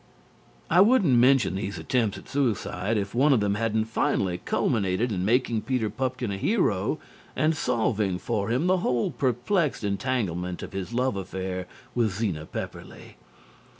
I wouldn't mention these attempts at suicide if one of them hadn't finally culminated in making Peter Pupkin a hero and solving for him the whole perplexed entanglement of his love affair with Zena Pepperleigh.